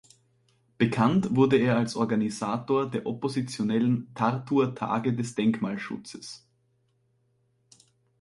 Bekannt wurde er als Organisator der oppositionellen "Tartuer Tage des Denkmalschutzes".